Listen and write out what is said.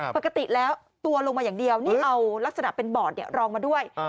ปกติแล้วตัวลงมาอย่างเดียวนี่เอาลักษณะเป็นบอร์ดรองมาด้วย